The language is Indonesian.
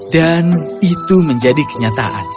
dan itu menjadi kenyataan